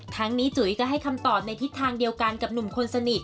ทั้งนี้จุ๋ยก็ให้คำตอบในทิศทางเดียวกันกับหนุ่มคนสนิท